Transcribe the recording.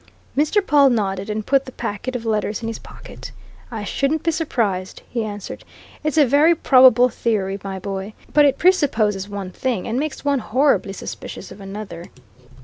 Mr. Pawle nodded, and put the packet of letters in his pocket. "I shouldn't be surprised," he answered. "It's a very probable theory, my boy. But it presupposes one thing, and makes one horribly suspicious of another."